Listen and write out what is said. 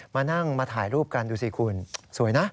มานั่งมาถ่ายรูปกันดูสิคุณสวยนะ